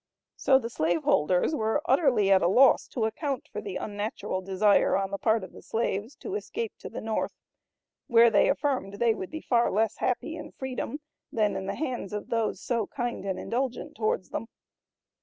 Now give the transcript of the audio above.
So the slave holders were utterly at a loss to account for the unnatural desire on the part of the slaves to escape to the North where they affirmed they would be far less happy in freedom than in the hands of those so "kind and indulgent towards them."